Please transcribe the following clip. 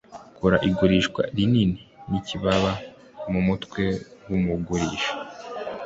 gukora igurishwa rinini ni ikibaba mumutwe wumugurisha